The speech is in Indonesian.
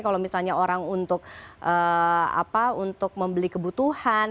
kalau misalnya orang untuk membeli kebutuhan